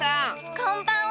こんばんは！